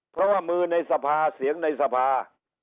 เพราะว่ามือในสภาเสียงในสภา